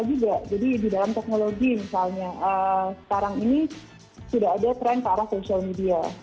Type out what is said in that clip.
jadi di dalam teknologi misalnya sekarang ini sudah ada trend ke arah social media